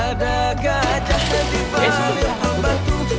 ada gajahnya di balir palpatu